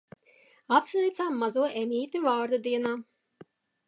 Apsveicām mazo Emīti vārda dienā.